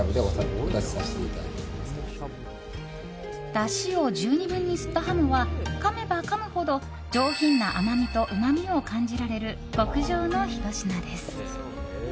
だしを十二分に吸ったハモはかめばかむほど上品な甘みとうまみを感じられる極上のひと品です。